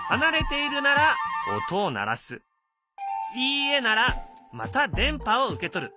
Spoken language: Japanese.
「いいえ」ならまた電波を受け取る。